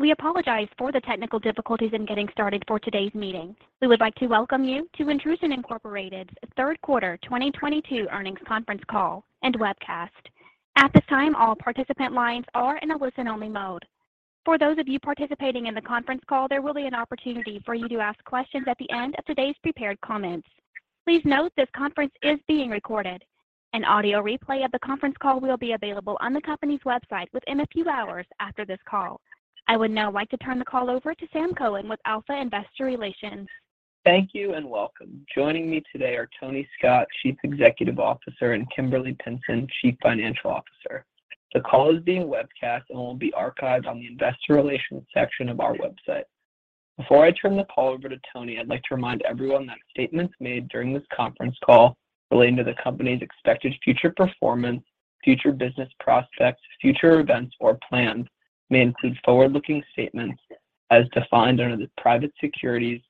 We apologize for the technical difficulties in getting started for today's meeting. We would like to welcome you to Intrusion Inc.'s third quarter 2022 earnings conference call and webcast. At this time, all participant lines are in a listen-only mode. For those of you participating in the conference call, there will be an opportunity for you to ask questions at the end of today's prepared comments. Please note this conference is being recorded. An audio replay of the conference call will be available on the company's website within a few hours after this call. I would now like to turn the call over to Sam Cohen with Alpha Investor Relations. Thank you, and welcome. Joining me today are Tony Scott, Chief Executive Officer, and Kimberly Pinson, Chief Financial Officer. The call is being webcast and will be archived on the investor relations section of our website. Before I turn the call over to Tony, I'd like to remind everyone that statements made during this conference call relating to the company's expected future performance, future business prospects, future events, or plans may include forward-looking statements as defined under the Private Securities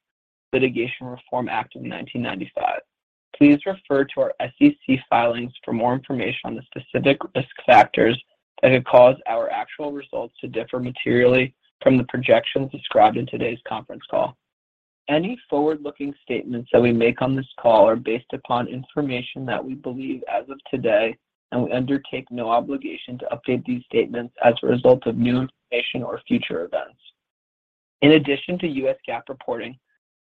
Litigation Reform Act of 1995. Please refer to our SEC filings for more information on the specific risk factors that could cause our actual results to differ materially from the projections described in today's conference call. Any forward-looking statements that we make on this call are based upon information that we believe as of today, and we undertake no obligation to update these statements as a result of new information or future events. In addition to U.S. GAAP reporting,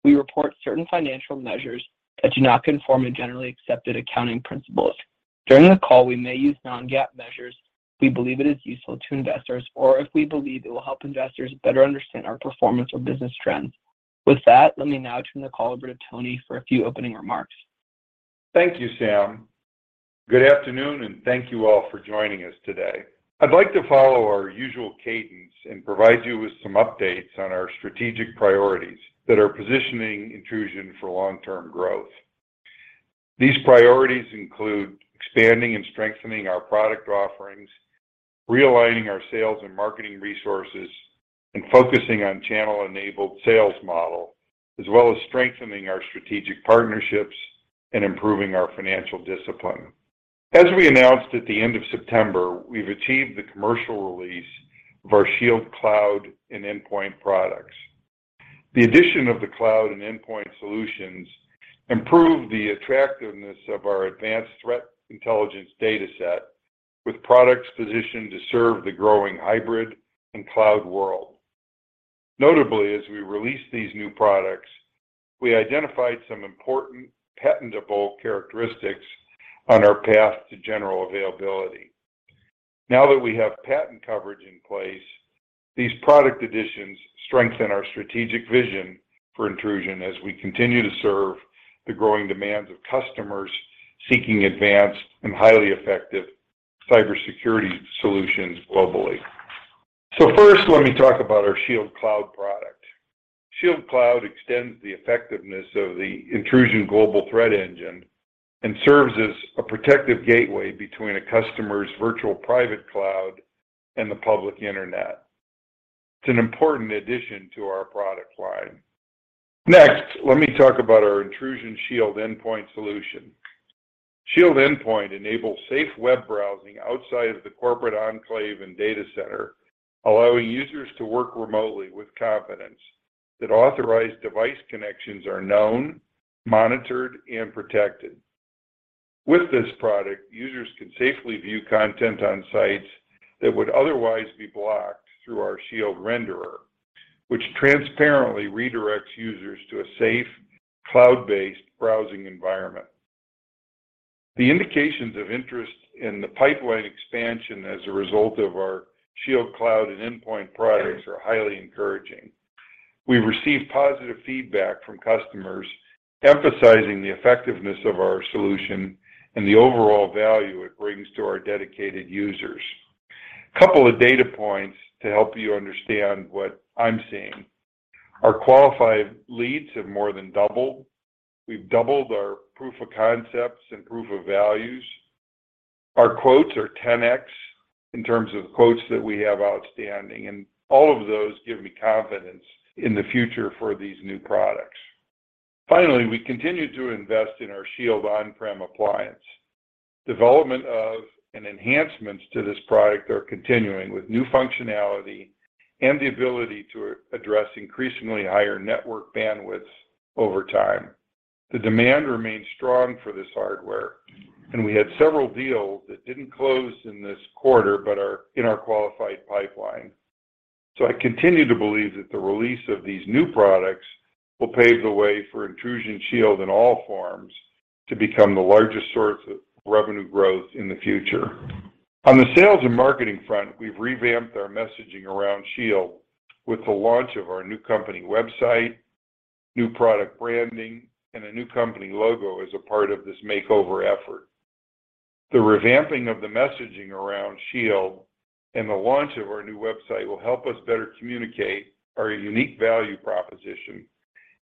we report certain financial measures that do not conform to generally accepted accounting principles. During the call, we may use non-GAAP measures we believe it is useful to investors or if we believe it will help investors better understand our performance or business trends. With that, let me now turn the call over to Tony for a few opening remarks. Thank you, Sam. Good afternoon, and thank you all for joining us today. I'd like to follow our usual cadence and provide you with some updates on our strategic priorities that are positioning Intrusion for long-term growth. These priorities include expanding and strengthening our product offerings, realigning our sales and marketing resources, and focusing on channel-enabled sales model, as well as strengthening our strategic partnerships and improving our financial discipline. As we announced at the end of September, we've achieved the commercial release of our Shield Cloud and Endpoint products. The addition of the cloud and endpoint solutions improve the attractiveness of our advanced threat intelligence dataset with products positioned to serve the growing hybrid and cloud world. Notably, as we released these new products, we identified some important patentable characteristics on our path to general availability. Now that we have patent coverage in place, these product additions strengthen our strategic vision for Intrusion as we continue to serve the growing demands of customers seeking advanced and highly effective cybersecurity solutions globally. First, let me talk about our Shield Cloud product. Shield Cloud extends the effectiveness of the Intrusion Global Threat Engine and serves as a protective gateway between a customer's virtual private cloud and the public internet. It's an important addition to our product line. Next, let me talk about our Intrusion Shield Endpoint solution. Shield Endpoint enables safe web browsing outside of the corporate enclave and data center, allowing users to work remotely with confidence that authorized device connections are known, monitored, and protected. With this product, users can safely view content on sites that would otherwise be blocked through our Shield Renderer, which transparently redirects users to a safe, cloud-based browsing environment. The indications of interest in the pipeline expansion as a result of our Shield Cloud and Endpoint products are highly encouraging. We've received positive feedback from customers emphasizing the effectiveness of our solution and the overall value it brings to our dedicated users. A couple of data points to help you understand what I'm seeing. Our qualified leads have more than doubled. We've doubled our proof of concepts and proof of values. Our quotes are 10x in terms of quotes that we have outstanding, and all of those give me confidence in the future for these new products. Finally, we continue to invest in our Shield on-premise appliance. Development of and enhancements to this product are continuing with new functionality and the ability to address increasingly higher network bandwidths over time. The demand remains strong for this hardware, and we had several deals that didn't close in this quarter but are in our qualified pipeline. I continue to believe that the release of these new products will pave the way for Intrusion Shield in all forms to become the largest source of revenue growth in the future. On the sales and marketing front, we've revamped our messaging around Shield with the launch of our new company website, new product branding, and a new company logo as a part of this makeover effort. The revamping of the messaging around Shield and the launch of our new website will help us better communicate our unique value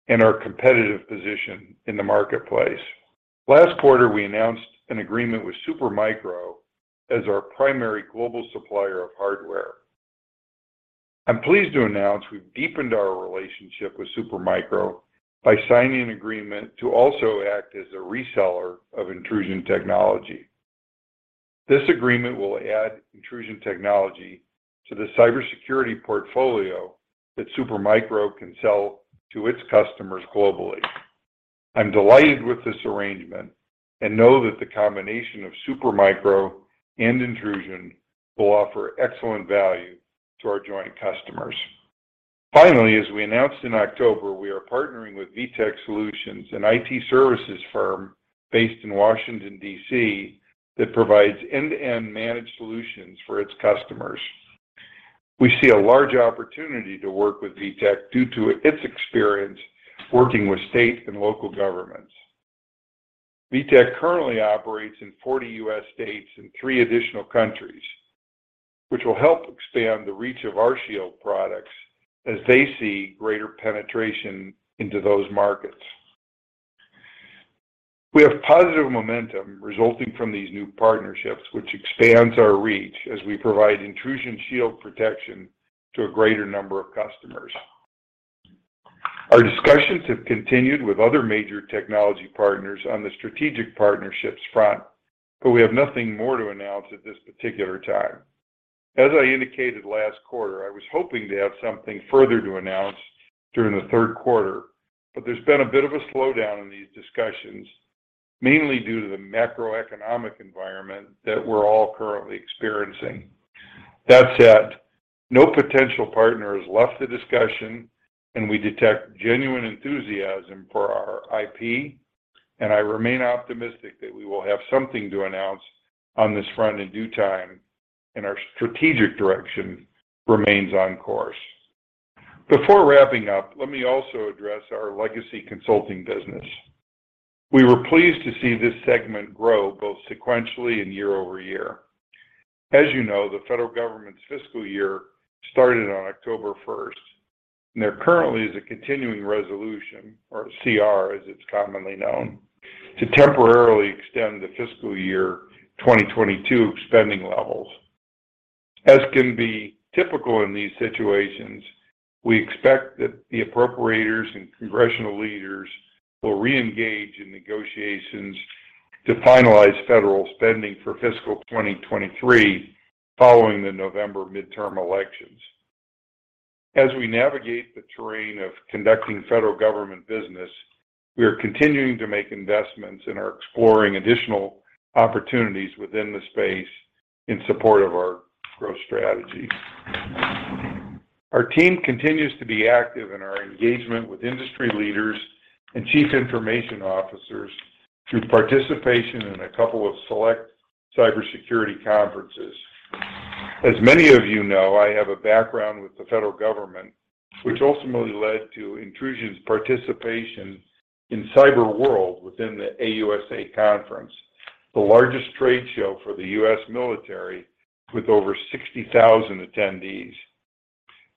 proposition and our competitive position in the marketplace. Last quarter, we announced an agreement with Supermicro as our primary global supplier of hardware. I'm pleased to announce we've deepened our relationship with Supermicro by signing an agreement to also act as a reseller of Intrusion technology. This agreement will add Intrusion technology to the cybersecurity portfolio that Supermicro can sell to its customers globally. I'm delighted with this arrangement and know that the combination of Supermicro and Intrusion will offer excellent value to our joint customers. Finally, as we announced in October, we are partnering with vTech Solution, an IT services firm based in Washington, D.C., that provides end-to-end managed solutions for its customers. We see a large opportunity to work with vTech Solution due to its experience working with state and local governments. vTech Solution currently operates in 40 U.S. states and three additional countries, which will help expand the reach of our Shield products as they see greater penetration into those markets. We have positive momentum resulting from these new partnerships, which expands our reach as we provide Intrusion Shield protection to a greater number of customers. Our discussions have continued with other major technology partners on the strategic partnerships front, but we have nothing more to announce at this particular time. As I indicated last quarter, I was hoping to have something further to announce during the third quarter, but there's been a bit of a slowdown in these discussions, mainly due to the macroeconomic environment that we're all currently experiencing. That said, no potential partner has left the discussion, and we detect genuine enthusiasm for our IP, and I remain optimistic that we will have something to announce on this front in due time, and our strategic direction remains on course. Before wrapping up, let me also address our legacy consulting business. We were pleased to see this segment grow both sequentially and year over year. As you know, the federal government's fiscal year started on October 1st, and there currently is a continuing resolution, or CR, as it's commonly known, to temporarily extend the fiscal year 2022 spending levels. As can be typical in these situations, we expect that the appropriators and congressional leaders will reengage in negotiations to finalize federal spending for fiscal 2023 following the November midterm elections. As we navigate the terrain of conducting federal government business, we are continuing to make investments and are exploring additional opportunities within the space in support of our growth strategy. Our team continues to be active in our engagement with industry leaders and chief information officers through participation in a couple of select cybersecurity conferences. As many of you know, I have a background with the federal government, which ultimately led to Intrusion's participation in cyber world within the AUSA conference, the largest trade show for the U.S. military with over 60,000 attendees.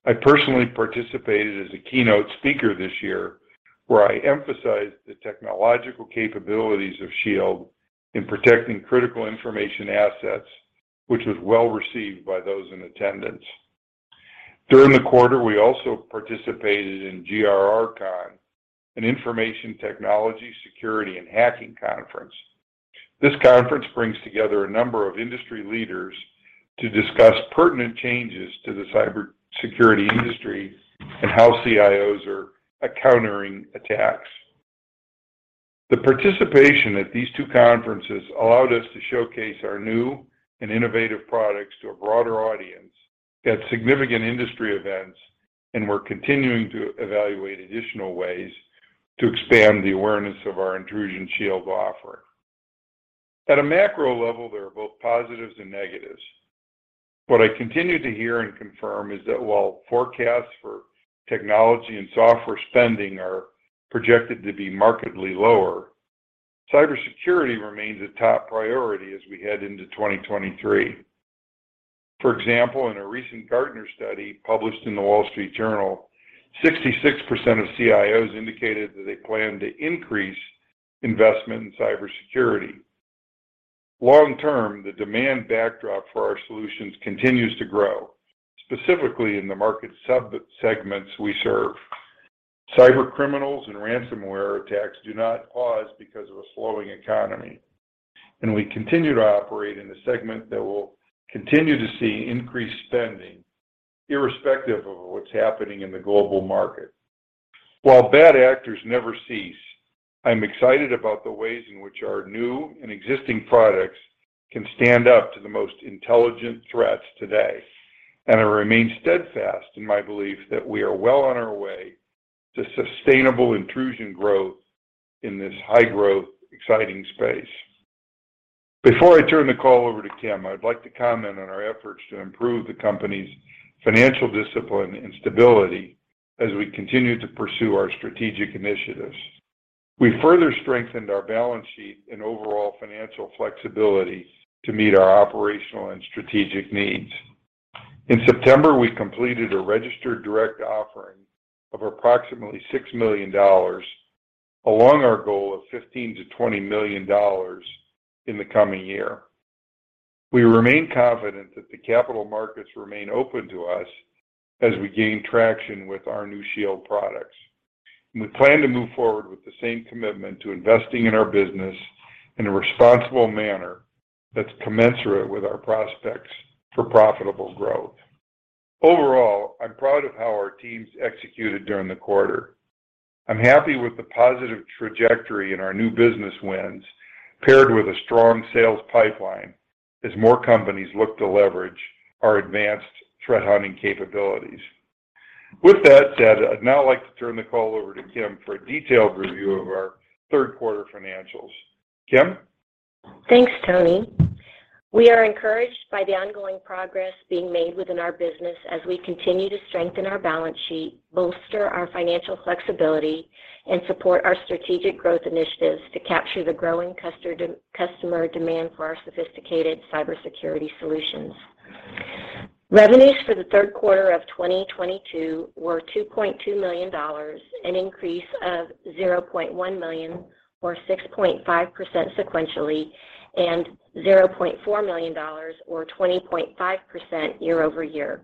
I personally participated as a keynote speaker this year, where I emphasized the technological capabilities of Shield in protecting critical information assets, which was well received by those in attendance. During the quarter, we also participated in GrrCON, an information technology security and hacking conference. This conference brings together a number of industry leaders to discuss pertinent changes to the cybersecurity industry and how CIOs are countering attacks. The participation at these two conferences allowed us to showcase our new and innovative products to a broader audience at significant industry events, and we're continuing to evaluate additional ways to expand the awareness of our Intrusion Shield offering. At a macro level, there are both positives and negatives. What I continue to hear and confirm is that while forecasts for technology and software spending are projected to be markedly lower, cybersecurity remains a top priority as we head into 2023. For example, in a recent Gartner study published in The Wall Street Journal, 66% of CIOs indicated that they plan to increase investment in cybersecurity. Long-term, the demand backdrop for our solutions continues to grow, specifically in the market sub-segments we serve. Cybercriminals and ransomware attacks do not pause because of a slowing economy, and we continue to operate in a segment that will continue to see increased spending irrespective of what's happening in the global market. While bad actors never cease, I'm excited about the ways in which our new and existing products can stand up to the most intelligent threats today. I remain steadfast in my belief that we are well on our way to sustainable Intrusion growth in this high-growth, exciting space. Before I turn the call over to Kim, I'd like to comment on our efforts to improve the company's financial discipline and stability as we continue to pursue our strategic initiatives. We further strengthened our balance sheet and overall financial flexibility to meet our operational and strategic needs. In September, we completed a registered direct offering of approximately $6 million along our goal of $15 million-$20 million in the coming year. We remain confident that the capital markets remain open to us as we gain traction with our new Shield products. We plan to move forward with the same commitment to investing in our business in a responsible manner that's commensurate with our prospects for profitable growth. Overall, I'm proud of how our teams executed during the quarter. I'm happy with the positive trajectory in our new business wins paired with a strong sales pipeline as more companies look to leverage our advanced threat hunting capabilities. With that said, I'd now like to turn the call over to Kim for a detailed review of our third quarter financials. Kim? Thanks, Tony. We are encouraged by the ongoing progress being made within our business as we continue to strengthen our balance sheet, bolster our financial flexibility, and support our strategic growth initiatives to capture the growing customer demand for our sophisticated cybersecurity solutions. Revenues for the third quarter of 2022 were $2.2 million, an increase of $0.1 million or 6.5% sequentially, and $0.4 million or 20.5% year-over-year.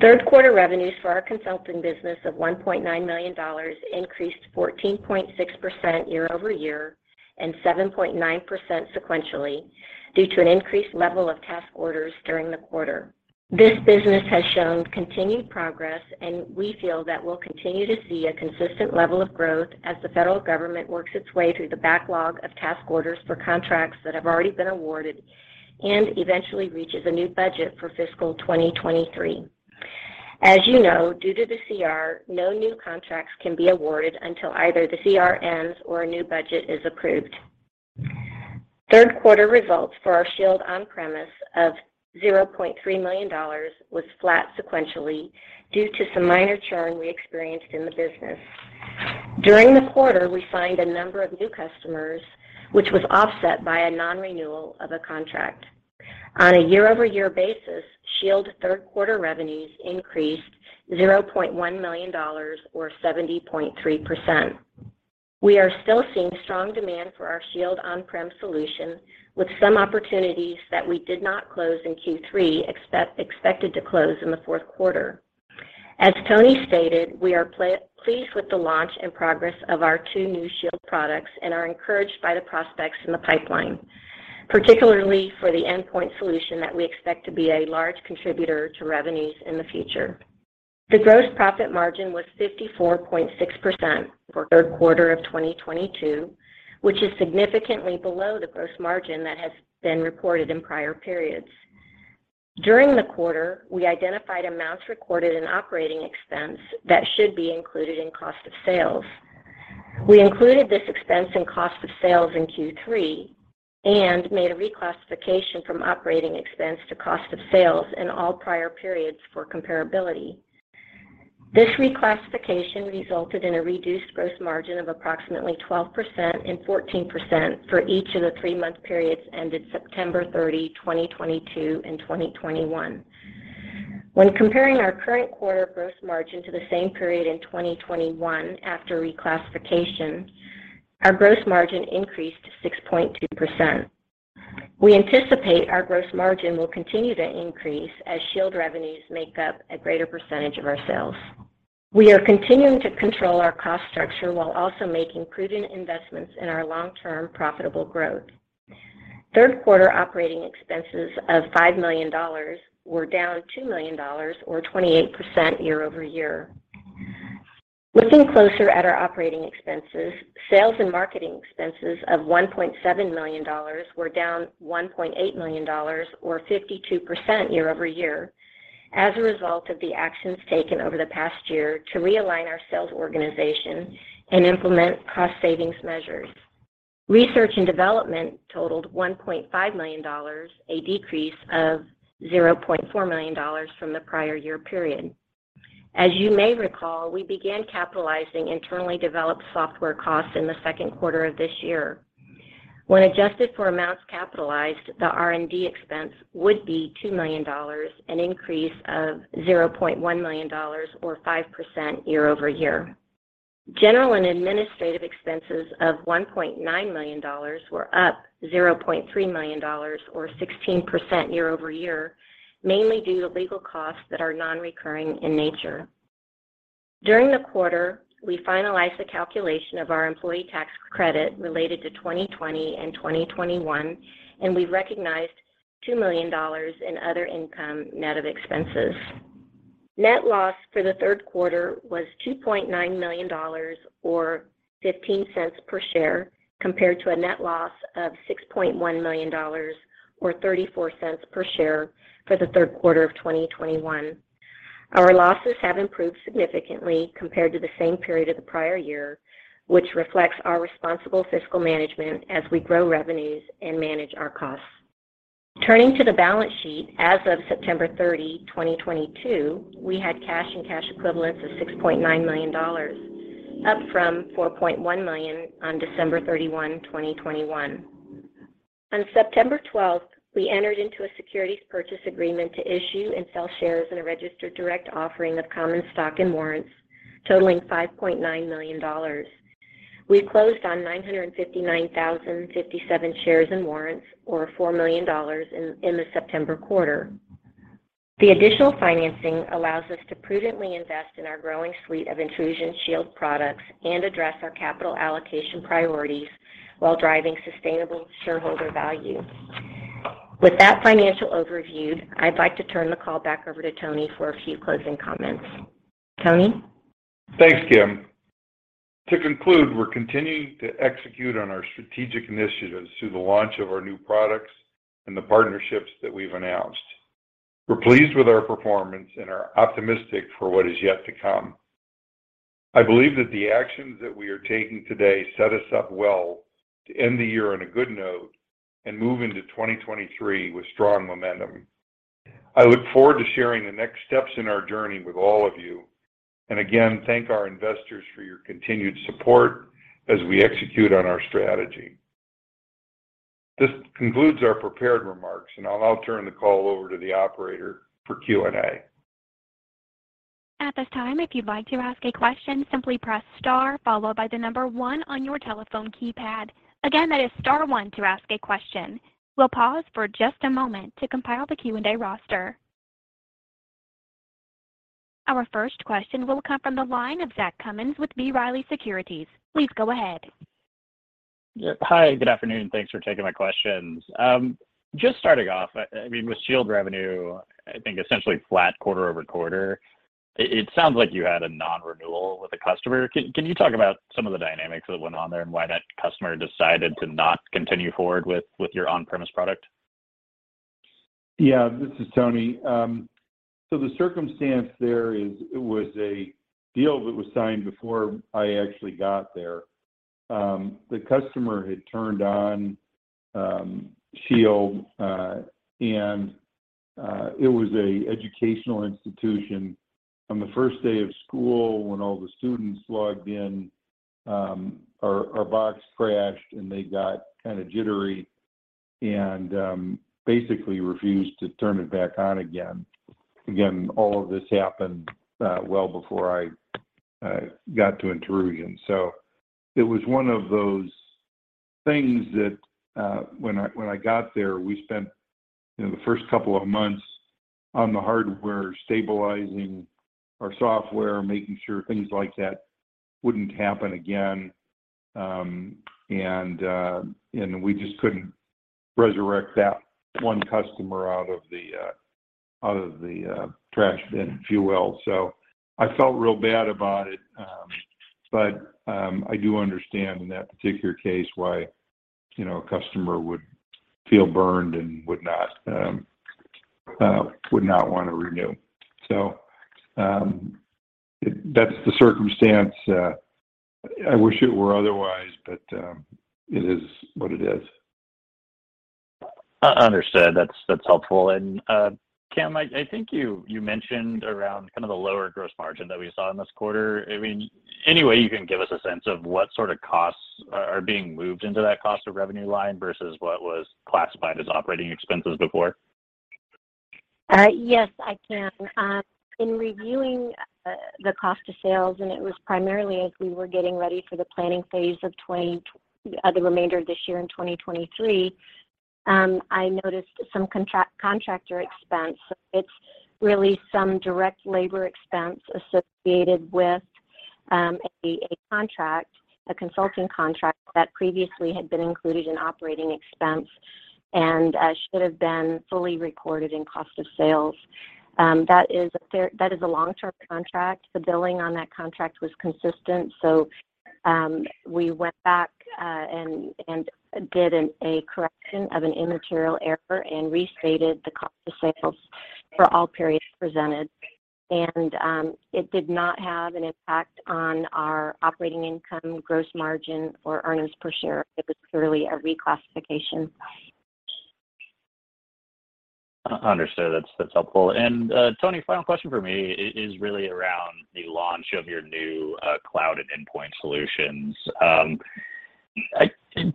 Third quarter revenues for our consulting business of $1.9 million increased 14.6% year-over-year and 7.9% sequentially due to an increased level of task orders during the quarter. This business has shown continued progress, and we feel that we'll continue to see a consistent level of growth as the federal government works its way through the backlog of task orders for contracts that have already been awarded and eventually reaches a new budget for fiscal 2023. As you know, due to the CR, no new contracts can be awarded until either the CR ends or a new budget is approved. Third quarter results for our Shield on-premise of $0.3 million was flat sequentially due to some minor churn we experienced in the business. During the quarter, we signed a number of new customers, which was offset by a non-renewal of a contract. On a year-over-year basis, Shield third quarter revenues increased $0.1 million or 70.3%. We are still seeing strong demand for our Shield on-premise solution, with some opportunities that we did not close in Q3 expected to close in the fourth quarter. As Tony stated, we are pleased with the launch and progress of our two new Shield products and are encouraged by the prospects in the pipeline, particularly for the Endpoint solution that we expect to be a large contributor to revenues in the future. The gross profit margin was 54.6% for third quarter of 2022, which is significantly below the gross margin that has been reported in prior periods. During the quarter, we identified amounts recorded in operating expense that should be included in cost of sales. We included this expense in cost of sales in Q3 and made a reclassification from operating expense to cost of sales in all prior periods for comparability. This reclassification resulted in a reduced gross margin of approximately 12% and 14% for each of the three-month periods ended September 30, 2022 and 2021. When comparing our current quarter gross margin to the same period in 2021 after reclassification, our gross margin increased 6.2%. We anticipate our gross margin will continue to increase as Shield revenues make up a greater percentage of our sales. We are continuing to control our cost structure while also making prudent investments in our long-term profitable growth. Third quarter operating expenses of $5 million were down $2 million or 28% year-over-year. Looking closer at our operating expenses, sales and marketing expenses of $1.7 million were down $1.8 million or 52% year-over-year as a result of the actions taken over the past year to realign our sales organization and implement cost savings measures. Research and development totaled $1.5 million, a decrease of $0.4 million from the prior year period. As you may recall, we began capitalizing internally developed software costs in the second quarter of this year. When adjusted for amounts capitalized, the R&D expense would be $2 million, an increase of $0.1 million or 5% year-over-year. General and administrative expenses of $1.9 million were up $0.3 million or 16% year-over-year, mainly due to legal costs that are non-recurring in nature. During the quarter, we finalized the calculation of our employee tax credit related to 2020 and 2021, and we recognized $2 million in other income net of expenses. Net loss for the third quarter was $2.9 million or $0.15 per share compared to a net loss of $6.1 million or $0.34 per share for the third quarter of 2021. Our losses have improved significantly compared to the same period of the prior year, which reflects our responsible fiscal management as we grow revenues and manage our costs. Turning to the balance sheet, as of September 30, 2022, we had cash and cash equivalents of $6.9 million, up from $4.1 million on December 31, 2021. On September 12th, we entered into a securities purchase agreement to issue and sell shares in a registered direct offering of common stock and warrants totaling $5.9 million. We closed on 959,057 shares and warrants for $4 million in the September quarter. The additional financing allows us to prudently invest in our growing suite of Intrusion Shield products and address our capital allocation priorities while driving sustainable shareholder value. With that financial overview, I'd like to turn the call back over to Tony for a few closing comments. Tony. Thanks, Kim. To conclude, we're continuing to execute on our strategic initiatives through the launch of our new products and the partnerships that we've announced. We're pleased with our performance and are optimistic for what is yet to come. I believe that the actions that we are taking today set us up well to end the year on a good note and move into 2023 with strong momentum. I look forward to sharing the next steps in our journey with all of you, and again, thank our investors for your continued support as we execute on our strategy. This concludes our prepared remarks, and I'll turn the call over to the operator for Q&A. At this time, if you'd like to ask a question, simply press star followed by the number one on your telephone keypad. Again, that is star one to ask a question. We'll pause for just a moment to compile the Q&A roster. Our first question will come from the line of Zach Cummins with B. Riley Securities. Please go ahead. Yeah. Hi, good afternoon. Thanks for taking my questions. Just starting off, I mean, with Shield revenue, I think essentially flat quarter-over-quarter, it sounds like you had a non-renewal with a customer. Can you talk about some of the dynamics that went on there and why that customer decided to not continue forward with your on-premise product? Yeah. This is Tony. The circumstance there is it was a deal that was signed before I actually got there. The customer had turned on Shield, and it was an educational institution. On the first day of school, when all the students logged in, our box crashed, and they got kind of jittery and basically refused to turn it back on again. Again, all of this happened well before I got to Intrusion. It was one of those things that when I got there, we spent, you know, the first couple of months on the hardware, stabilizing our software, making sure things like that wouldn't happen again. We just couldn't resurrect that one customer out of the trash bin, if you will. I felt real bad about it, but I do understand in that particular case why, you know, a customer would feel burned and would not wanna renew. That's the circumstance. I wish it were otherwise, but it is what it is. Understood. That's helpful. Kim, I think you mentioned around kind of the lower gross margin that we saw in this quarter. I mean, any way you can give us a sense of what sort of costs are being moved into that cost of revenue line versus what was classified as operating expenses before? Yes, I can. In reviewing the cost of sales, it was primarily as we were getting ready for the planning phase of the remainder of this year and 2023, I noticed some contractor expense. It's really some direct labor expense associated with a contract, a consulting contract that previously had been included in operating expense and should have been fully recorded in cost of sales. That is a long-term contract. The billing on that contract was consistent. We went back and did a correction of an immaterial error and restated the cost of sales for all periods presented. It did not have an impact on our operating income, gross margin, or earnings per share. It was clearly a reclassification. Understood. That's helpful. Tony, final question for me is really around the launch of your new cloud and endpoint solutions.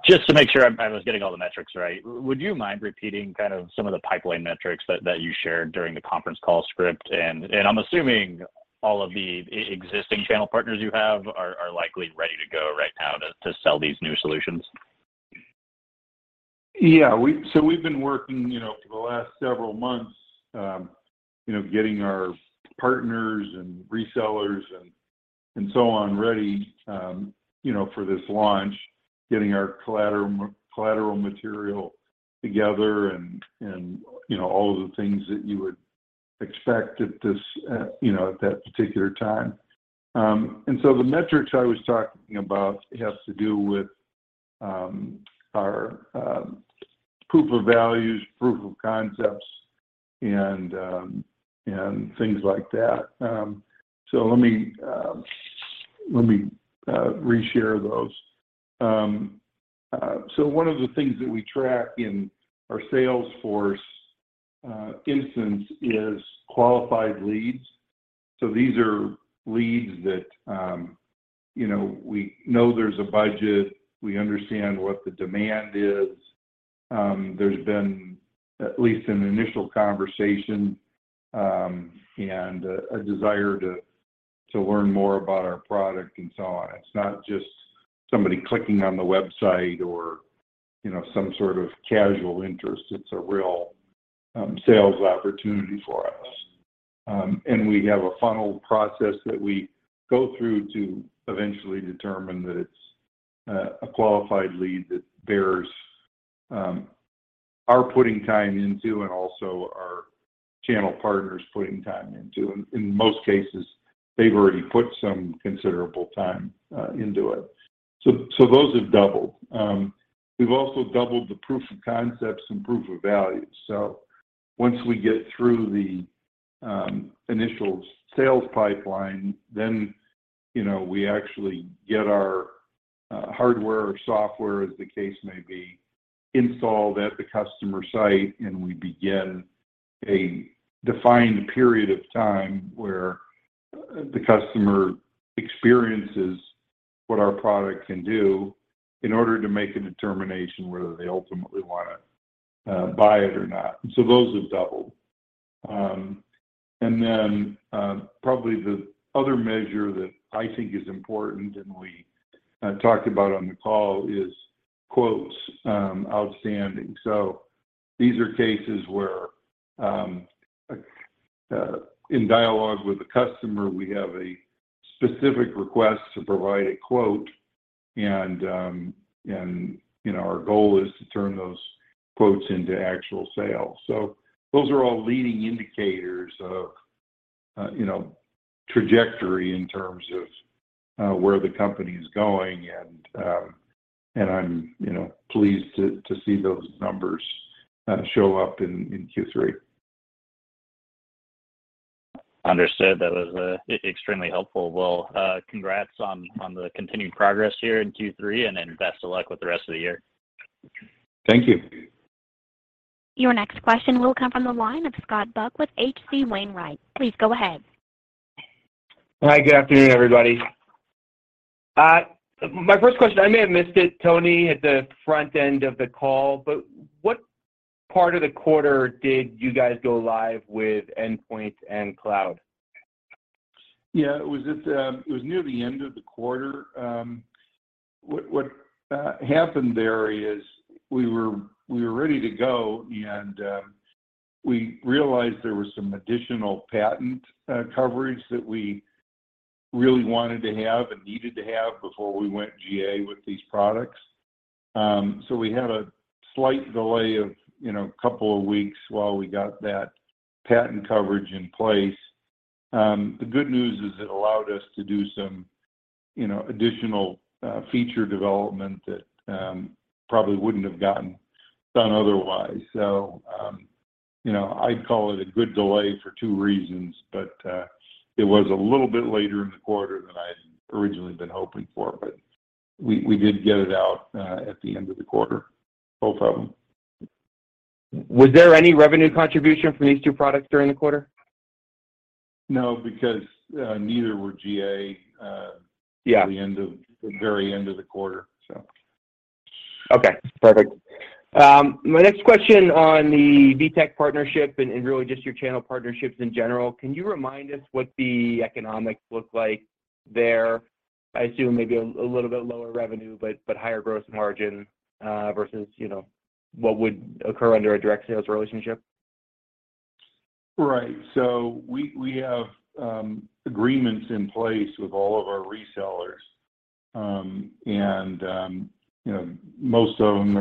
Just to make sure I was getting all the metrics right, would you mind repeating kind of some of the pipeline metrics that you shared during the conference call script? I'm assuming all of the existing channel partners you have are likely ready to go right now to sell these new solutions. Yeah. We've been working, you know, for the last several months, you know, getting our partners and resellers and so on ready, you know, for this launch, getting our collateral material together and, you know, all of the things that you would expect at this, you know, at that particular time. The metrics I was talking about has to do with our proof of values, proof of concepts, and things like that. Let me reshare those. One of the things that we track in our Salesforce instance is qualified leads. These are leads that, you know, we know there's a budget, we understand what the demand is, there's been at least an initial conversation, and a desire to learn more about our product and so on. It's not just somebody clicking on the website or you know, some sort of casual interest. It's a real sales opportunity for us. We have a funnel process that we go through to eventually determine that it's a qualified lead that bears our putting time into and also our channel partners putting time into. In most cases, they've already put some considerable time into it. Those have doubled. We've also doubled the proof of concepts and proof of value. Once we get through the initial sales pipeline, then, you know, we actually get our hardware or software, as the case may be, installed at the customer site, and we begin a defined period of time where the customer experiences what our product can do in order to make a determination whether they ultimately want to buy it or not. Those have doubled. Probably the other measure that I think is important and we talked about on the call is quotes outstanding. These are cases where in dialogue with the customer, we have a specific request to provide a quote and, you know, our goal is to turn those quotes into actual sales. Those are all leading indicators of, you know, trajectory in terms of where the company's going, and I'm, you know, pleased to see those numbers show up in Q3. Understood. That was extremely helpful. Well, congrats on the continued progress here in Q3, and then best of luck with the rest of the year. Thank you. Your next question will come from the line of Scott Buck with H.C. Wainwright. Please go ahead. Hi, good afternoon, everybody. My first question, I may have missed it, Tony, at the front end of the call, but what part of the quarter did you guys go live with Endpoint and Cloud? It was near the end of the quarter. What happened there is we were ready to go and we realized there was some additional patent coverage that we really wanted to have and needed to have before we went GA with these products. We had a slight delay of a couple of weeks while we got that patent coverage in place. The good news is it allowed us to do some additional feature development that probably wouldn't have gotten done otherwise. You know, I'd call it a good delay for two reasons, but it was a little bit later in the quarter than I had originally been hoping for. We did get it out at the end of the quarter, both of them. Was there any revenue contribution from these two products during the quarter? No, because, neither were GA. Yeah The very end of the quarter, so. Okay, perfect. My next question on the vTech partnership and really just your channel partnerships in general, can you remind us what the economics look like there? I assume maybe a little bit lower revenue, but higher gross margin versus you know what would occur under a direct sales relationship. Right. We have agreements in place with all of our resellers. You know, most of them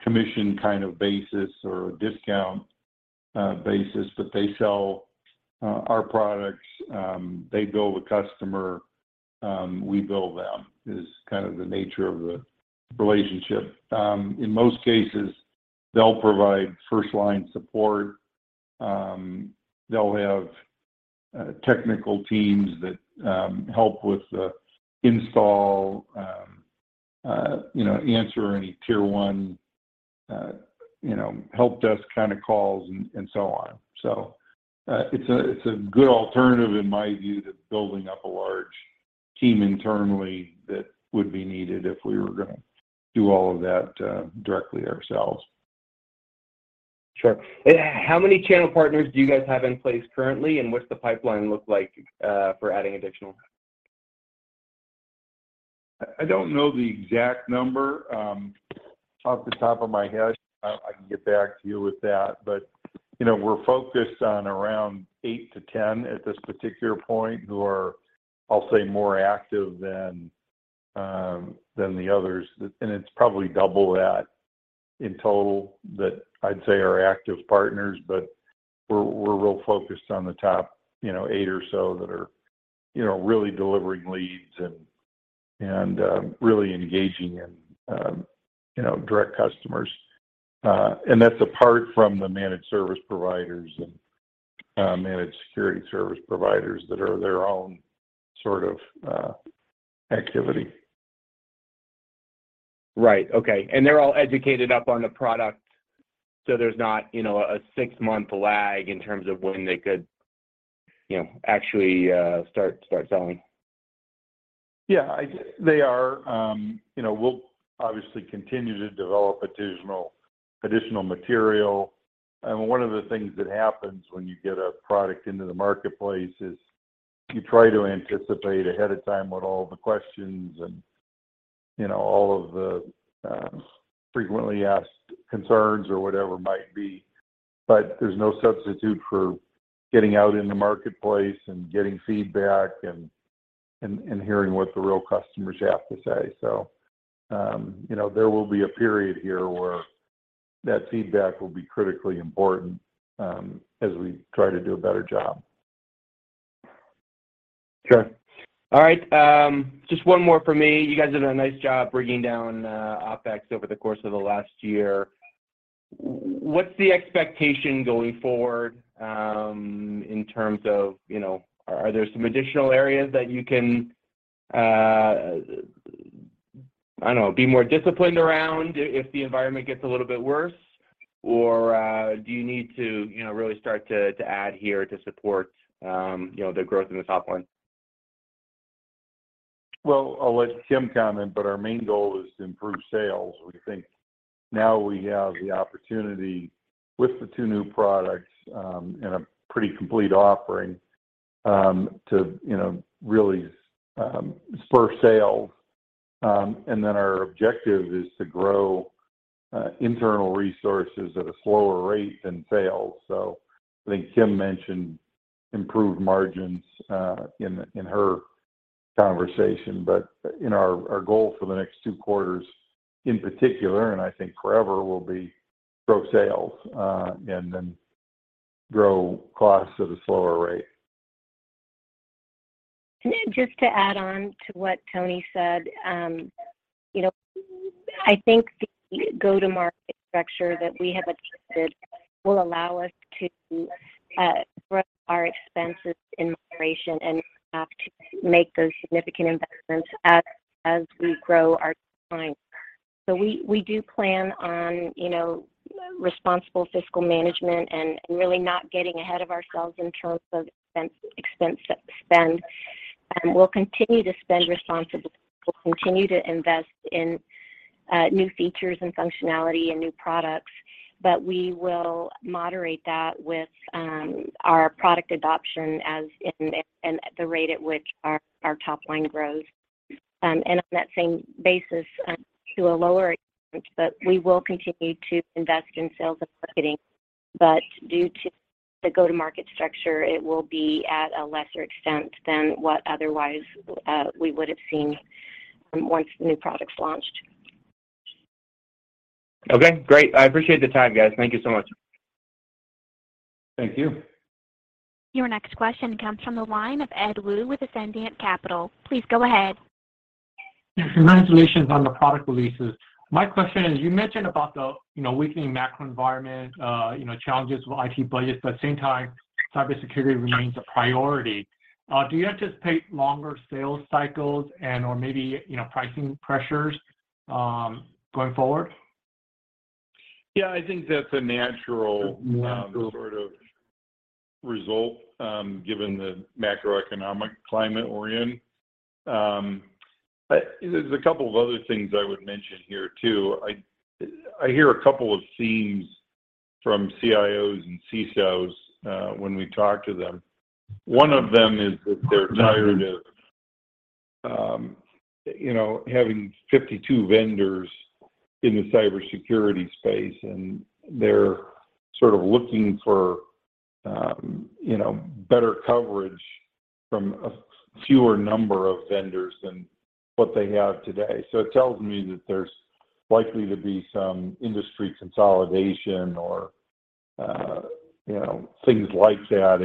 are a commission kind of basis or a discount basis, but they sell our products. They bill the customer, we bill them, is kind of the nature of the relationship. In most cases, they'll provide first-line support. They'll have technical teams that help with the install, you know, answer any tier one, you know, help desk kinda calls and so on. It's a good alternative in my view to building up a large team internally that would be needed if we were gonna do all of that directly ourselves. Sure. How many channel partners do you guys have in place currently, and what's the pipeline look like for adding additional? I don't know the exact number off the top of my head. I can get back to you with that. You know, we're focused on around 8-10 at this particular point who are, I'll say, more active than the others. It's probably double that in total that I'd say are active partners. We're real focused on the top, you know, eight or so that are, you know, really delivering leads and really engaging in, you know, direct customers. That's apart from the managed service providers and managed security service providers that are their own sort of activity. Right. Okay. They're all educated up on the product, so there's not, you know, a six-month lag in terms of when they could, you know, actually start selling? Yeah, they are. You know, we'll obviously continue to develop additional material. One of the things that happens when you get a product into the marketplace is, you try to anticipate ahead of time what all the questions and, you know, all of the frequently asked concerns or whatever might be. There's no substitute for getting out in the marketplace and getting feedback and hearing what the real customers have to say. You know, there will be a period here where that feedback will be critically important as we try to do a better job. Sure. All right. Just one more from me. You guys did a nice job bringing down OpEx over the course of the last year. What's the expectation going forward in terms of, you know, are there some additional areas that you can, I don't know, be more disciplined around if the environment gets a little bit worse? Or do you need to, you know, really start to add here to support, you know, the growth in the top line? Well, I'll let Kim comment, but our main goal is to improve sales. We think now we have the opportunity with the two new products in a pretty complete offering, you know, really spur sales. Our objective is to grow internal resources at a slower rate than sales. I think Kim mentioned improved margins in her conversation. You know, our goal for the next two quarters, in particular, and I think forever, will be grow sales and then grow costs at a slower rate. Just to add on to what Tony said, you know, I think the go-to-market structure that we have adjusted will allow us to grow our expenses in moderation and have to make those significant investments as we grow our clients. We do plan on, you know, responsible fiscal management and really not getting ahead of ourselves in terms of expense spend. We'll continue to spend responsibly. We'll continue to invest in new features and functionality and new products, but we will moderate that with our product adoption and the rate at which our top line grows. On that same basis, to a lower extent, but we will continue to invest in sales and marketing. Due to the go-to-market structure, it will be at a lesser extent than what otherwise we would have seen once the new product's launched. Okay, great. I appreciate the time, guys. Thank you so much. Thank you. Your next question comes from the line of Ed Woo with Ascendiant Capital Markets. Please go ahead. Congratulations on the product releases. My question is, you mentioned about the, you know, weakening macro environment, you know, challenges with IT budgets, but at the same time, cybersecurity remains a priority. Do you anticipate longer sales cycles and/or maybe, you know, pricing pressures, going forward? Yeah. I think that's a natural. Natural Sort of result, given the macroeconomic climate we're in. There's a couple of other things I would mention here too. I hear a couple of themes from CIOs and CISOs when we talk to them. One of them is that they're tired of, you know, having 52 vendors in the cybersecurity space, and they're sort of looking for, you know, better coverage from a fewer number of vendors than what they have today. It tells me that there's likely to be some industry consolidation or, you know, things like that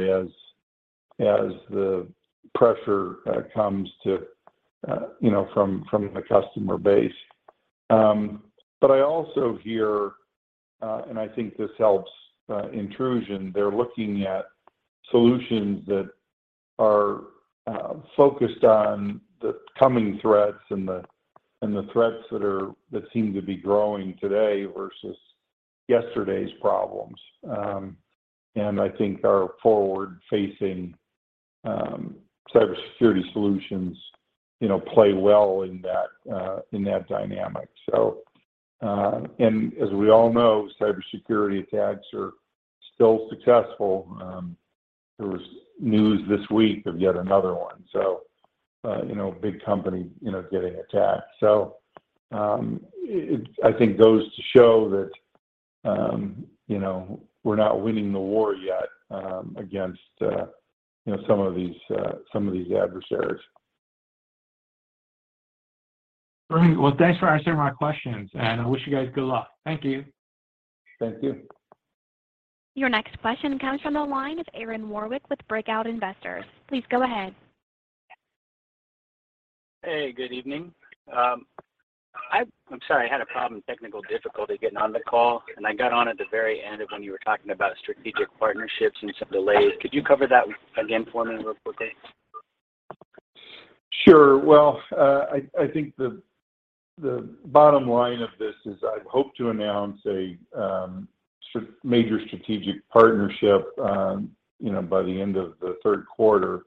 as the pressure comes to, you know, from the customer base. I also hear, and I think this helps, Intrusion. They're looking at solutions that are focused on the coming threats and the threats that seem to be growing today versus yesterday's problems. I think our forward-facing cybersecurity solutions, you know, play well in that dynamic. As we all know, cybersecurity attacks are still successful. There was news this week of yet another one, you know, big company, you know, getting attacked. I think it goes to show that, you know, we're not winning the war yet against, you know, some of these adversaries. Great. Well, thanks for answering my questions, and I wish you guys good luck. Thank you. Thank you. Your next question comes from the line of Aaron Warwick with Breakout Investors. Please go ahead. Hey, good evening. I'm sorry, I had a problem, technical difficulty getting on the call, and I got on at the very end of when you were talking about strategic partnerships and some delays. Could you cover that again for me in a little quick detail? Sure. Well, I think the bottom line of this is I hope to announce a major strategic partnership, you know, by the end of the third quarter.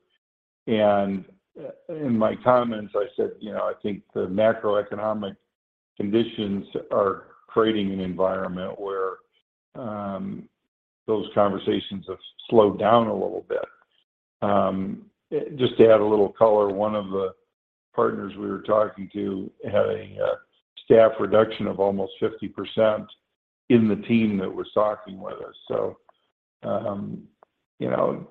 In my comments, I said, you know, I think the macroeconomic conditions are creating an environment where those conversations have slowed down a little bit. Just to add a little color, one of the partners we were talking to had a staff reduction of almost 50% in the team that was talking with us. You know,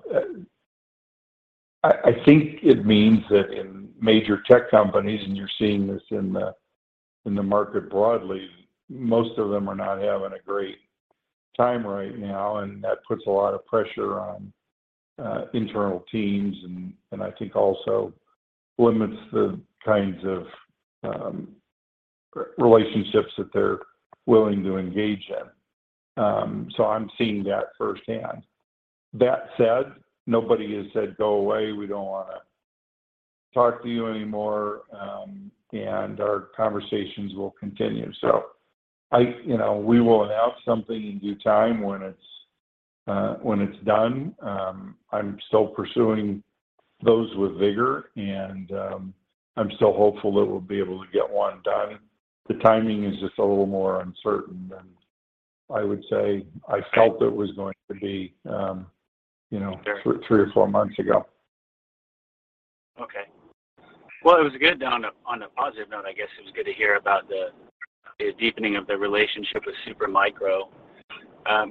I think it means that in major tech companies, and you're seeing this in the market broadly, most of them are not having a great time right now, and that puts a lot of pressure on internal teams and I think also limits the kinds of relationships that they're willing to engage in. I'm seeing that firsthand. That said, nobody has said, "Go away. We don't wanna talk to you anymore." Our conversations will continue. You know, we will announce something in due time when it's done. I'm still pursuing those with vigor, and I'm still hopeful that we'll be able to get one done. The timing is just a little more uncertain than I would say I felt it was going to be, you know, three or four months ago. Okay. Well, it was good. On a positive note, I guess it was good to hear about the deepening of the relationship with Supermicro.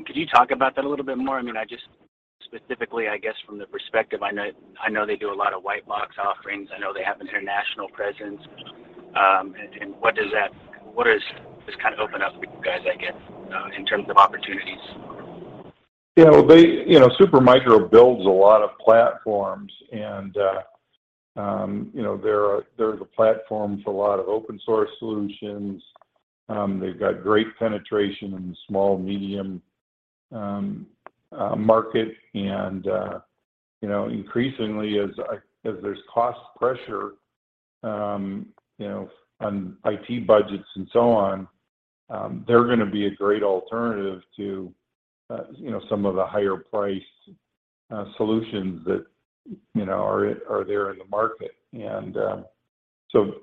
Could you talk about that a little bit more? I mean, specifically, I guess from the perspective, I know they do a lot of white box offerings. I know they have an international presence. And what does this kind of open up for you guys, I guess, in terms of opportunities? Yeah. Well, they, you know, Supermicro builds a lot of platforms and, you know, there's a platform for a lot of open source solutions. They've got great penetration in the small, medium market. You know, increasingly as there's cost pressure, you know, on IT budgets and so on, they're gonna be a great alternative to, you know, some of the higher priced solutions that, you know, are there in the market.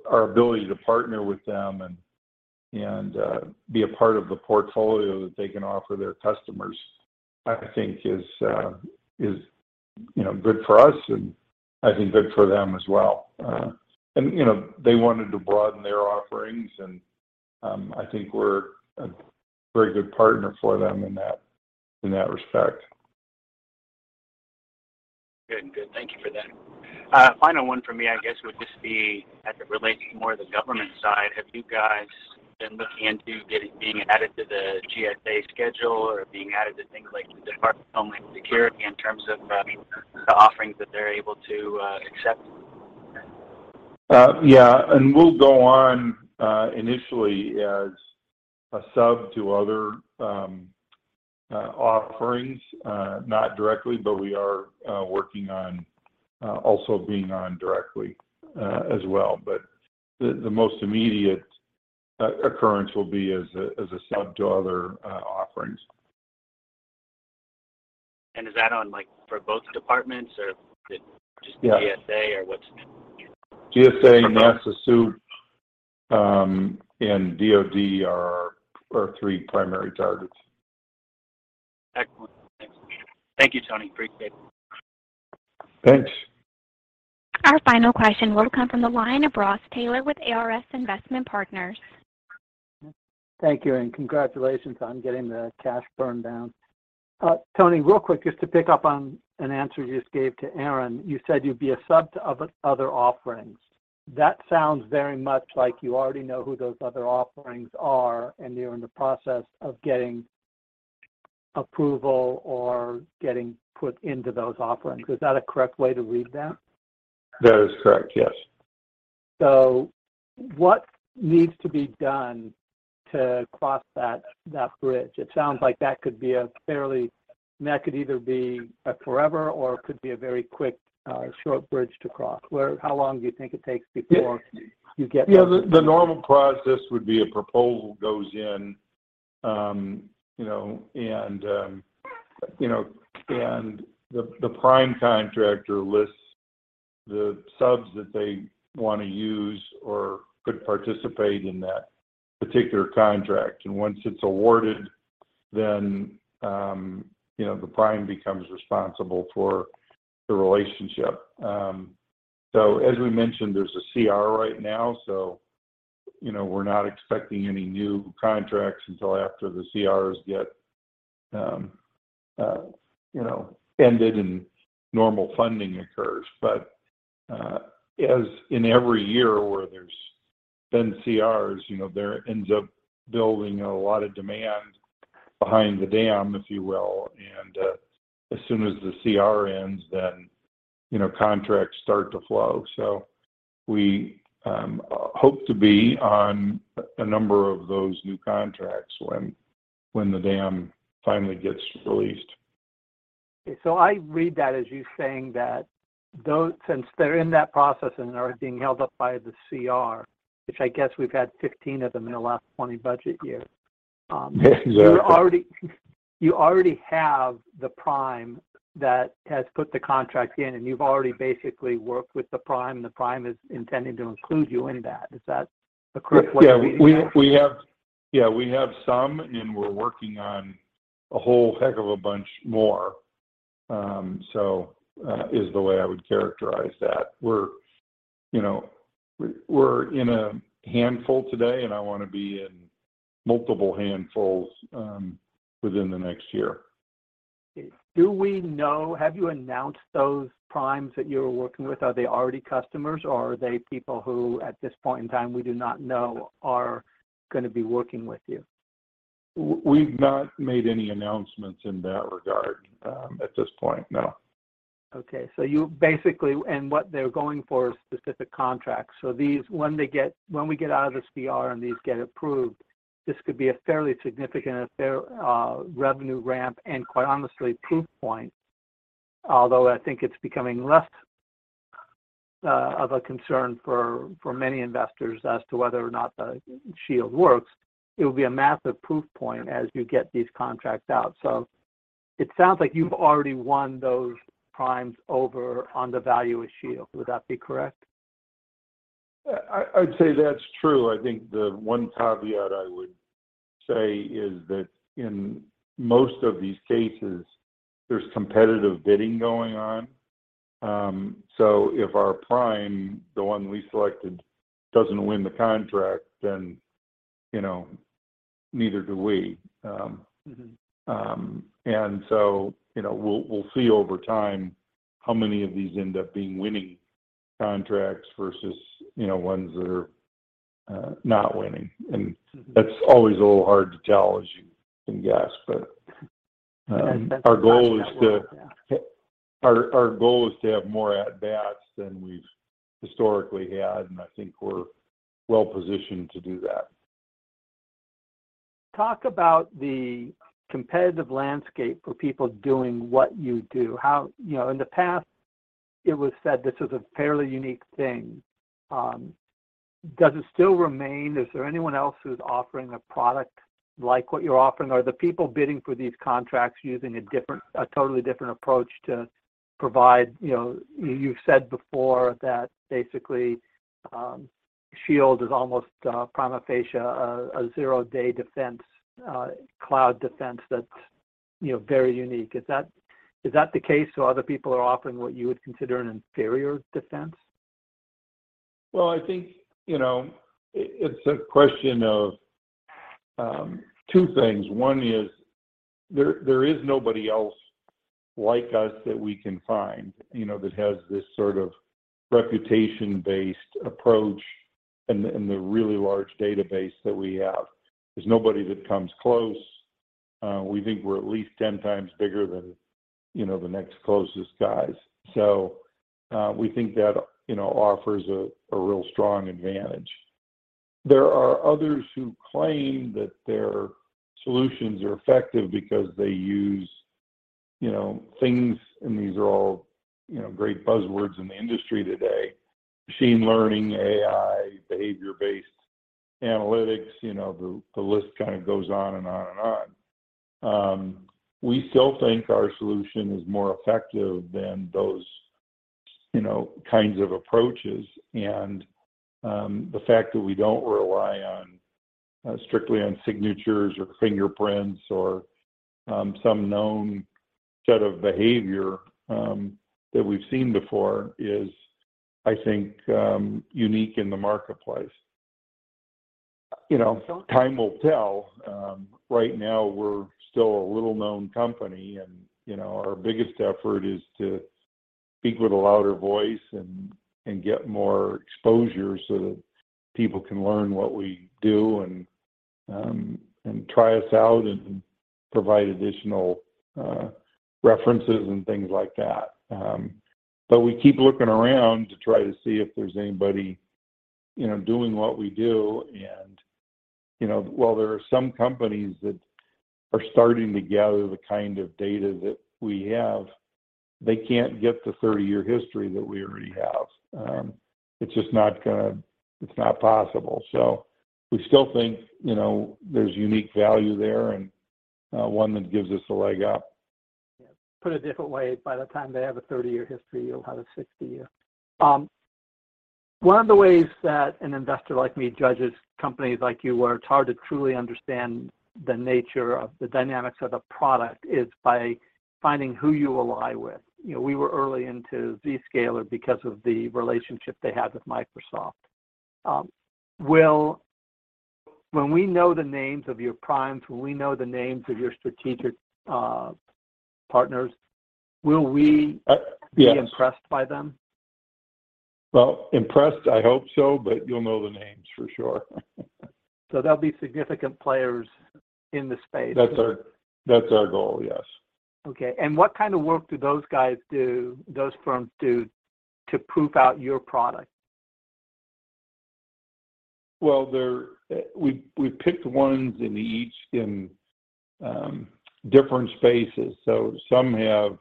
Our ability to partner with them and be a part of the portfolio that they can offer their customers, I think is, you know, good for us and I think good for them as well. You know, they wanted to broaden their offerings and I think we're a very good partner for them in that respect. Good. Thank you for that. Final one from me, I guess, would just be as it relates more to the government side. Have you guys been looking into being added to the GSA schedule or being added to things like the Department of Homeland Security in terms of the offerings that they're able to accept? Yeah. We'll go on initially as a sub to other offerings, not directly, but we are working on also being on directly as well. The most immediate occurrence will be as a sub to other offerings. Is that on like for both departments or is it just the GSA? Yeah -or what's GSA, NASA SEWP, and DoD are our three primary targets. Excellent. Thanks. Thank you, Tony. Appreciate it. Thanks. Our final question will come from the line of P. Ross Taylor with ARS Investment Partners. Thank you, and congratulations on getting the cash burn down. Tony, real quick, just to pick up on an answer you just gave to Aaron. You said you'd be a sub to other offerings. That sounds very much like you already know who those other offerings are and you're in the process of getting approval or getting put into those offerings. Is that a correct way to read that? That is correct, yes. What needs to be done to cross that bridge? It sounds like that could be and that could either be a forever or it could be a very quick, short bridge to cross. How long do you think it takes before you get those- Yeah. The normal process would be a proposal goes in, you know, and the prime contractor lists the subs that they wanna use or could participate in that particular contract. Once it's awarded, then, you know, the prime becomes responsible for the relationship. As we mentioned, there's a CR right now, so we're not expecting any new contracts until after the CRs get ended and normal funding occurs. As in every year where there's been CRs, you know, there ends up building a lot of demand behind the dam, if you will. As soon as the CR ends, then, you know, contracts start to flow. We hope to be on a number of those new contracts when the dam finally gets released. I read that as you saying that those, since they're in that process and are being held up by the CR, which I guess we've had 15 of them in the last 20 budget years. Exactly you already have the prime that has put the contracts in, and you've already basically worked with the prime, the prime is intending to include you in that. Is that? Yeah, we have some, and we're working on a whole heck of a bunch more, so is the way I would characterize that. You know, we're in a handful today, and I wanna be in multiple handfuls within the next year. Have you announced those primes that you're working with? Are they already customers, or are they people who, at this point in time, we do not know are gonna be working with you? We've not made any announcements in that regard, at this point, no. What they're going for is specific contracts. When we get out of this CR, and these get approved, this could be a fairly significant revenue ramp and, quite honestly, proof point. Although I think it's becoming less of a concern for many investors as to whether or not the Shield works, it would be a massive proof point as you get these contracts out. It sounds like you've already won those primes over on the value of Shield. Would that be correct? I'd say that's true. I think the one caveat I would say is that in most of these cases, there's competitive bidding going on. If our prime, the one we selected, doesn't win the contract, then, you know, neither do we. You know, we'll see over time how many of these end up being winning contracts versus, you know, ones that are not winning. That's always a little hard to tell, as you can guess. That's our goal is to. Yeah. Our goal is to have more at-bats than we've historically had, and I think we're well-positioned to do that. Talk about the competitive landscape for people doing what you do. How? You know, in the past it was said this was a fairly unique thing. Does it still remain? Is there anyone else who's offering a product like what you're offering? Are the people bidding for these contracts using a totally different approach to provide? You know, you've said before that basically, Shield is almost prima facie a zero-day defense, cloud defense that's, you know, very unique. Is that the case, or other people are offering what you would consider an inferior defense? Well, I think, you know, it's a question of two things. One is there is nobody else like us that we can find, you know, that has this sort of reputation-based approach and the really large database that we have. There's nobody that comes close. We think we're at least 10 times bigger than, you know, the next closest guys. We think that, you know, offers a real strong advantage. There are others who claim that their solutions are effective because they use, you know, things, and these are all, you know, great buzzwords in the industry today, machine learning, AI, behavior-based analytics. You know, the list kind of goes on and on and on. We still think our solution is more effective than those, you know, kinds of approaches. The fact that we don't rely strictly on signatures or fingerprints or some known set of behavior that we've seen before is, I think, unique in the marketplace. You know, time will tell. Right now we're still a little-known company, and you know, our biggest effort is to speak with a louder voice and get more exposure so that people can learn what we do and try us out and provide additional references and things like that. We keep looking around to try to see if there's anybody, you know, doing what we do. You know, while there are some companies that are starting to gather the kind of data that we have, they can't get the 30-year history that we already have. It's just not gonna. It's not possible. We still think, you know, there's unique value there and one that gives us a leg up. Put a different way, by the time they have a 30-year history, you'll have a 60-year. One of the ways that an investor like me judges companies like you, where it's hard to truly understand the nature of the dynamics of the product, is by finding who you ally with. You know, we were early into Zscaler because of the relationship they had with Microsoft. When we know the names of your primes, when we know the names of your strategic partners, will we- Yes be impressed by them? Well, impressed. I hope so, but you'll know the names for sure. They'll be significant players in the space. That's our goal, yes. Okay. What kind of work do those guys do, those firms do to prove out your product? Well, we picked ones in each different spaces. Some have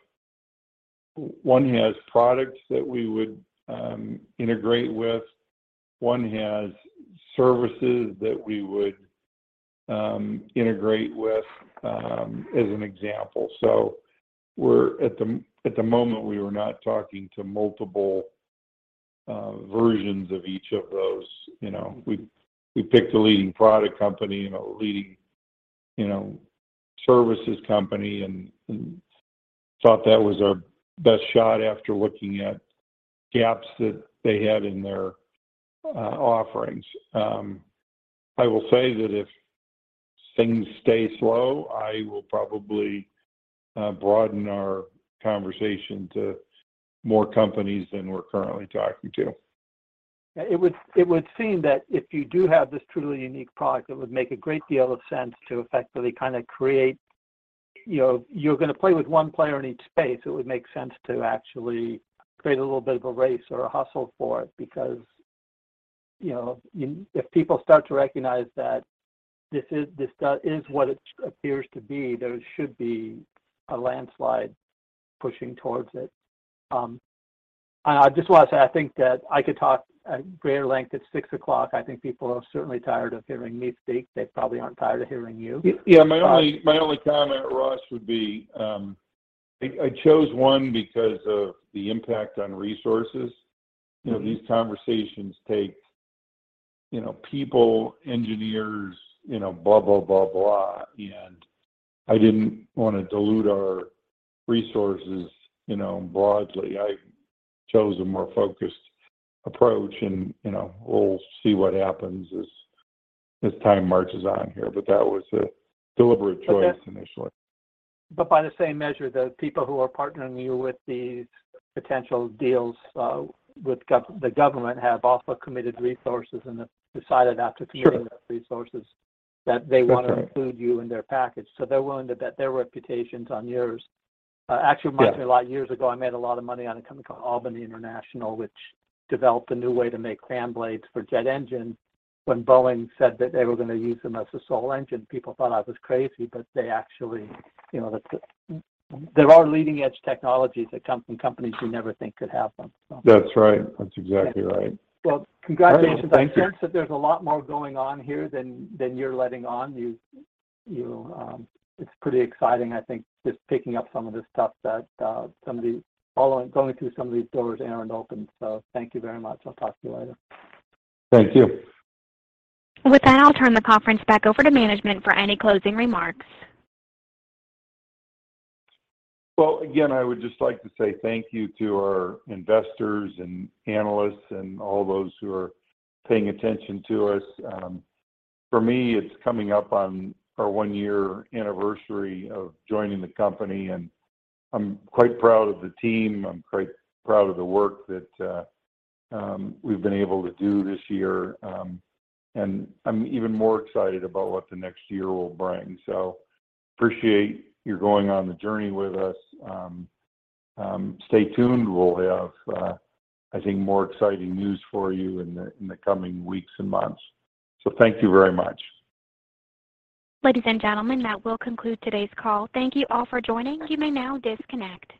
one has products that we would integrate with, one has services that we would integrate with, as an example. At the moment, we were not talking to multiple versions of each of those. You know, we picked a leading product company and a leading services company and thought that was our best shot after looking at gaps that they had in their offerings. I will say that if things stay slow, I will probably broaden our conversation to more companies than we're currently talking to. It would seem that if you do have this truly unique product, it would make a great deal of sense to effectively kind of create. You know, you're gnna play with one player in each space. It would make sense to actually create a little bit of a race or a hustle for it because, you know, you, if people start to recognize that this is what it appears to be, there should be a landslide pushing towards it. I just want to say, I think that I could talk at greater length. It's six o'clock. I think people are certainly tired of hearing me speak. They probably aren't tired of hearing you. Yeah. My only comment, Ross, would be, I chose one because of the impact on resources. You know, these conversations take, you know, people, engineers, you know, blah, blah. I didn't wanna dilute our resources, you know, broadly. I chose a more focused approach and, you know, we'll see what happens as time marches on here. That was a deliberate choice initially. by the same measure, the people who are partnering you with these potential deals, with the government have also committed resources and have decided after peering- Sure The resources that they want to include you in their package. They're willing to bet their reputations on yours. Actually reminds me. Yeah A lot of years ago, I made a lot of money on a company called Albany International, which developed a new way to make fan blades for jet engines. When Boeing said that they were gonna use them as a sole engine, people thought I was crazy, but they actually. You know, there are leading edge technologies that come from companies you never think could have them, so. That's right. That's exactly right. Well, congratulations. Thank you. I sense that there's a lot more going on here than you're letting on. It's pretty exciting, I think, just picking up some of this stuff that some of these doors Aaron opened. Thank you very much. I'll talk to you later. Thank you. With that, I'll turn the conference back over to management for any closing remarks. Well, again, I would just like to say thank you to our investors and analysts and all those who are paying attention to us. For me, it's coming up on our one-year anniversary of joining the company, and I'm quite proud of the team. I'm quite proud of the work that we've been able to do this year. I'm even more excited about what the next year will bring. Appreciate your going on the journey with us. Stay tuned. We'll have, I think, more exciting news for you in the coming weeks and months. Thank you very much. Ladies and gentlemen, that will conclude today's call. Thank you all for joining. You may now disconnect.